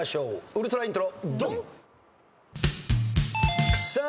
ウルトライントロ。